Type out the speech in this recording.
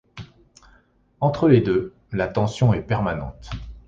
Entre les deux, la tension est permanente.